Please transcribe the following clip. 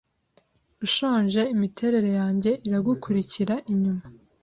ushonje Imiterere yanjye iragukurikira inyuma